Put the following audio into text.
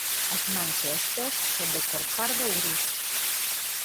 As mans e os pés son de cor parda ou gris.